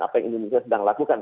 apa yang indonesia sedang lakukan